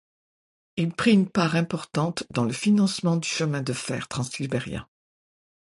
Il prit une part importante dans le financement du chemin de fer transsibérien.